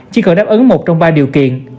chỉ cần đáp ứng một trong ba điều kiện